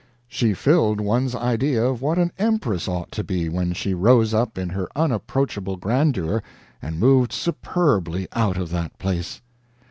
She filled one's idea of what an empress ought to be, when she rose up in her unapproachable grandeur and moved superbly out of that place.